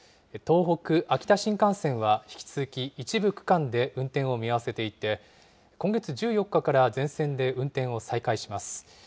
東北、秋田新幹線は引き続き一部区間で運転を見合わせていて、今月１４日から全線で運転を再開します。